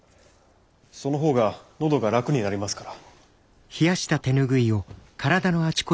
そのほうが喉が楽になりますから。